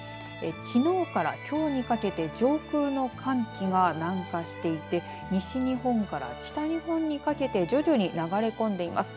きのうからきょうにかけて上空の寒気が南下していて西日本から北日本にかけて徐々に流れ込んでいます。